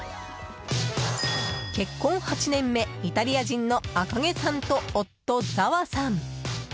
結婚８年目イタリア人のアカゲさんと夫、ざわさん。